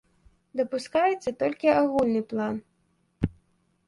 Дапускаецца толькі агульны план.